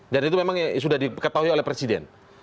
dan itu memang sudah diketahui oleh presiden